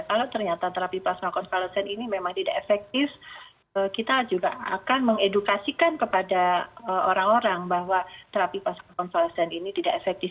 kalau ternyata terapi plasma konvalesen ini memang tidak efektif kita juga akan mengedukasikan kepada orang orang bahwa terapi plasma konvalesen ini tidak efektif